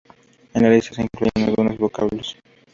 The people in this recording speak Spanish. En la lista se incluyen algunos vocablos.